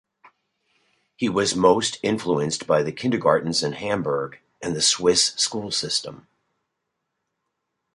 He was most influenced by the kindergartens in Hamburg and the Swiss school system.